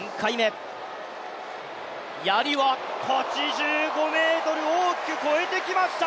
やりは８５ｍを大きく超えてきました